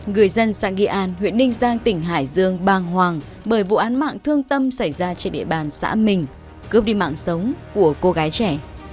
người dân xã nghị an huyện ninh giang tỉnh hải dương bàng hoàng bởi vụ án mạng thương tâm xảy ra trên địa bàn xã mình cướp đi mạng sống của cô gái trẻ